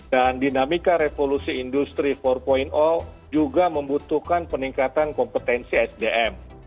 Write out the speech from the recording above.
dinamika revolusi industri empat juga membutuhkan peningkatan kompetensi sdm